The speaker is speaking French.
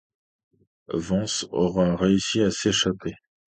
Vance aura réussi à s’échapper.